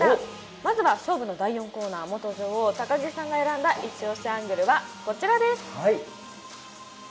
まずは勝負の第４コーナー、元女王・高木さんが選んだイチオシアングルはこちらです。